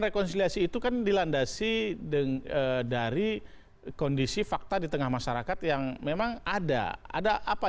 rekonsiliasi itu kan dilandasi dengan dari kondisi fakta di tengah masyarakat yang memang ada ada apa